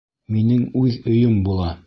Минең үҙ өйөм була!